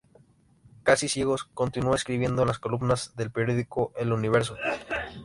Casi ciego, continuó escribiendo en las columnas del periódico "El Universo".